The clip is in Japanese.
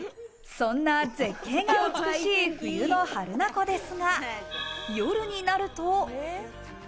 そんな絶景が美しい冬の榛名湖ですが、夜になると。